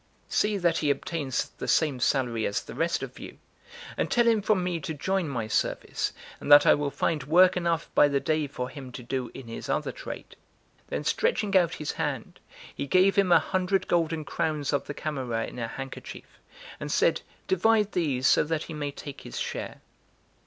See that he obtains the same salary as the rest of you; and tell him from me to join my service, and that I will find work enough by the day for him to do in his other trade." Then stretching out his hand, he gave him a hundred golden crowns of the Camera in a handkerchief, and said: "Divide these so that he may take his share."